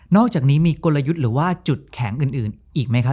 อกจากนี้มีกลยุทธ์หรือว่าจุดแข็งอื่นอีกไหมครับ